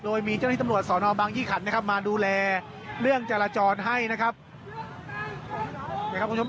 โดยมีเจ้าหน้าที่ตำรวจสอนอบางยี่ขันนะครับมาดูแลเรื่องจราจรให้นะครับคุณผู้ชม